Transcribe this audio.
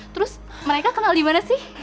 terus mereka kenal dimana sih